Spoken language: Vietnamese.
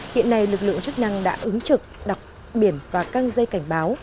hiện nay lực lượng chức năng đã ứng trực đọc biển và căng dây cảnh báo